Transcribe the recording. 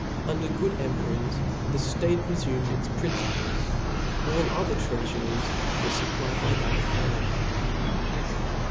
Under good q^^\ ; emperors the ftate rcfumed its principles ; all other treafures were fupplied by that of honor.